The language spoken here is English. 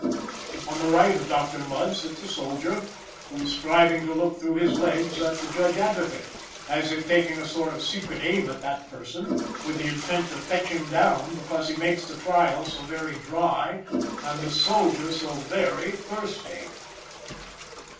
On the right of Doctor Mudd sits a soldier, who is striving to look through his legs at the judge advocate, as if taking a sort of secret aim at that person, with the intent to fetch him down, because he makes the trial so very dry, and the soldier so very thirsty.